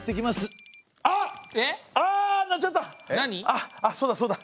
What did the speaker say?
あっそうだそうだ。